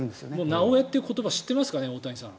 「なおエ」という言葉知ってますかね、大谷さんは。